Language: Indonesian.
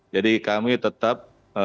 jadi kami tetap